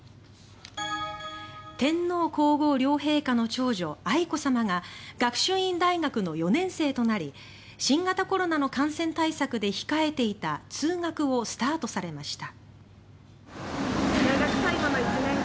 天皇・皇后両陛下の長女愛子さまが学習院大学の４年生となり新型コロナの感染対策で控えていた通学をスタートされました。